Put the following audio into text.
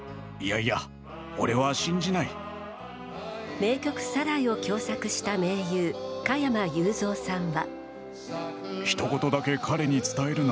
名曲「サライ」を共作した盟友加山雄三さんは。